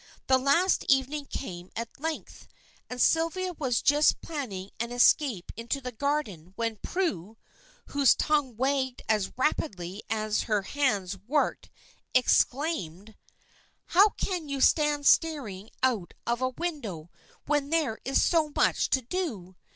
The last evening came at length, and Sylvia was just planning an escape into the garden when Prue, whose tongue wagged as rapidly as her hands worked, exclaimed "How can you stand staring out of window when there is so much to do?